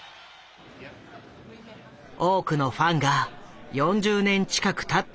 多くのファンが４０年近くたった